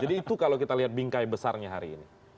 jadi itu kalau kita lihat bingkai besarnya hari ini